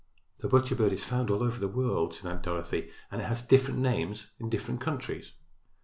"The butcher bird is found all over the world," said Aunt Dorothy, "and has different names in different countries."